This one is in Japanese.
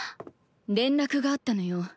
連絡があったのよ。